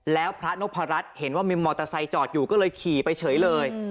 แล้วพระนพรัชเห็นว่ามีมอเตอร์ไซค์จอดอยู่ก็เลยขี่ไปเฉยเลย